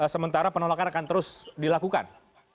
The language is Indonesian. sementara penolakan akan terus dilakukan